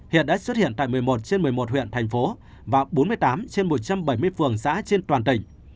hiện đã xuất hiện tại một mươi một trên một mươi một huyện thành phố và bốn mươi tám trên một trăm bảy mươi phường xã trên toàn tỉnh